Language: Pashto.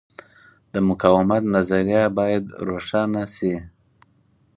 د مقاومت نظریه باید روښانه شي.